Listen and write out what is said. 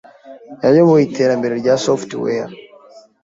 yayoboye iterambere rya software